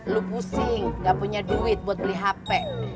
lu pusing gak punya duit buat beli hp